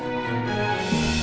kita sikat juga